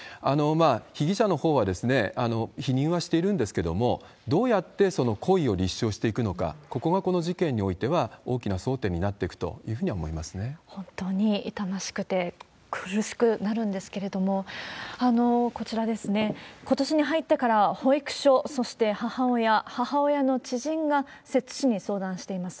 被疑者のほうは否認はしているんですけれども、どうやってその故意を立証していくのか、ここがこの事件においては大きな争点になっていくというふうには本当に痛ましくて、苦しくなるんですけれども、こちらですね、ことしに入ってから保育所、そして母親、母親の知人が摂津市に相談しています。